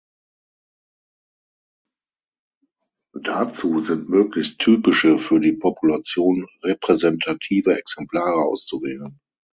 Dazu sind möglichst typische, für die Population repräsentative Exemplare auszuwählen.